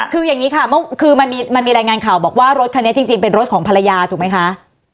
คืออย่างนี้ค่ะคือมันมีรายงานข่าวบอกว่ารถคันนี้จริงเป็นรถของภรรยาถูกไหมคะ